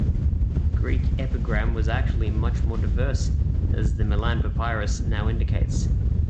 Greek epigram was actually much more diverse, as the Milan Papyrus now indicates.